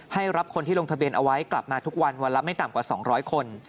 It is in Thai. รับคนที่ลงทะเบียนเอาไว้กลับมาทุกวันวันละไม่ต่ำกว่า๒๐๐คน